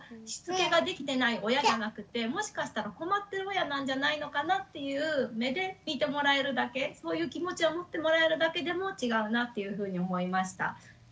しつけができてない親じゃなくてもしかしたら「困ってる親」なんじゃないのかなっていう目で見てもらえるだけそういう気持ちを持ってもらえるだけでも違うなというふうに思いました。